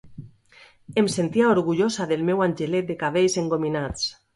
Em sentia orgullosa del meu angelet de cabells engominats.